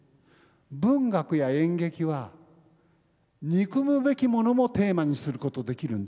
文学や演劇は憎むべきものもテーマにすることできるんです。